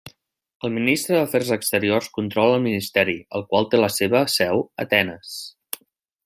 El Ministre d'Afers Exteriors controla el ministeri, el qual té la seva seu a Atenes.